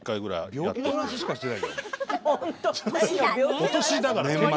病気の話しかしていない。